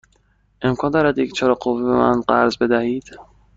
امکان دارد یک چراغ قوه به من قرض بدهید؟